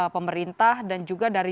pemerintah dan juga dari